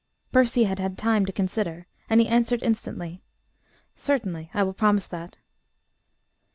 Percy had had time to consider, and he answered instantly. "Certainly, I will promise that."